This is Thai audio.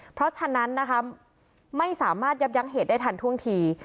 เพราะฉะนั้นนะคะไม่สามารถยับยั้งเหตุได้ทันท่วงที